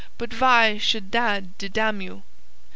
"But vhy should dad dedain you?"